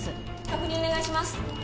確認お願いします！